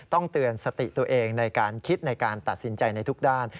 เตือนสติตัวเองในการคิดในการตัดสินใจในทุกด้าน